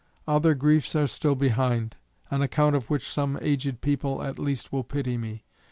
Other griefs are still behind; on account of which some aged people, at least, will pity me.